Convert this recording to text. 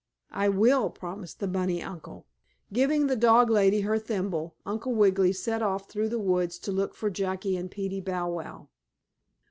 "I will," promised the bunny uncle. Giving the dog lady her thimble, Uncle Wiggily set off through the woods to look for Jackie and Peetie Bow Wow.